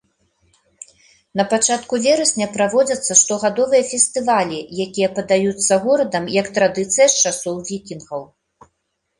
Напачатку верасня праводзяцца штогадовыя фестывалі, якія падаюцца горадам як традыцыя з часоў вікінгаў.